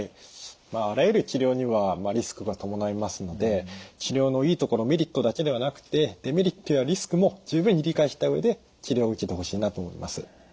あらゆる治療にはリスクが伴いますので治療のいいところメリットだけではなくてデメリットやリスクも十分に理解した上で治療を受けてほしいなと思います。